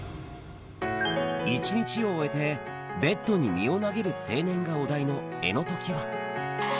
１日を終えて、ベッドに身を投げる青年がお題の絵のときは。